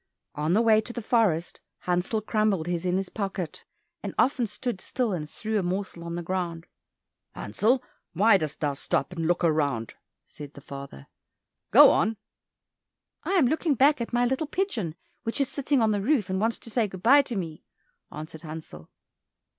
On the way into the forest Hansel crumbled his in his pocket, and often stood still and threw a morsel on the ground. "Hansel, why dost thou stop and look round?" said the father, "go on." "I am looking back at my little pigeon which is sitting on the roof, and wants to say good bye to me," answered Hansel.